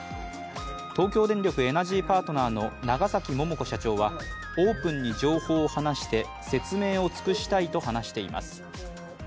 東京電力エナジーパートナーの長崎桃子社長はオープンに情報を話して説明を尽くしたいと話しています。